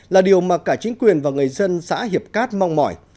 là điều mà cả chính quyền và người dân xã hiệp cát mong mỏi